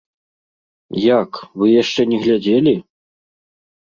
Як, вы яшчэ не глядзелі?